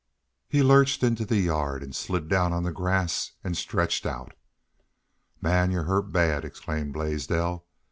He lurched into the yard and slid down on the grass and stretched out. "Man! Y'u're hurt bad!" exclaimed Blaisdell.